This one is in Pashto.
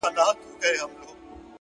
o په گيلاس او په ساغر دي اموخته کړم؛